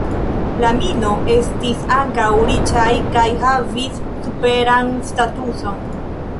La "Mino" estis ankaŭ riĉaj kaj havis superan statuson.